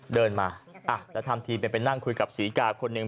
เดินมาแล้วทำทีเป็นไปนั่งคุยกับศรีกาคนหนึ่ง